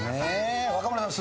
若村さん